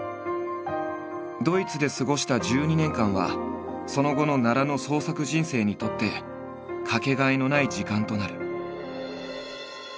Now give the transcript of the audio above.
ドイツで過ごした１２年間はその後の奈良の創作人生にとってかけがえのない時間となる。